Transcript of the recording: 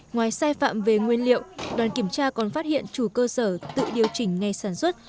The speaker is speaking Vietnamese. ngoài sai phạm về nguyên liệu đoàn kiểm tra còn phát hiện chủ cơ sở tự điều chỉnh ngày sản xuất